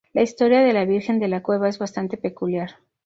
La historia de la Virgen de la Cueva es bastante peculiar.